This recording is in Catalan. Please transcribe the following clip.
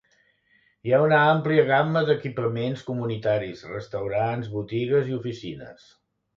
Hi ha una àmplia gamma d'equipaments comunitaris, restaurants, botigues i oficines.